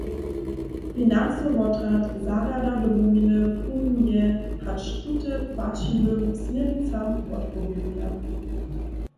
Financny wotrjad zarjada Domowiny pruwuje, hač tute płaćiwym směrnicam wotpowěduja.